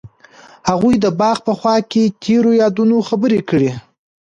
هغوی د باغ په خوا کې تیرو یادونو خبرې کړې.